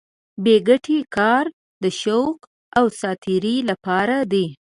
بې ګټې کار د شوق او ساتېرۍ لپاره دی.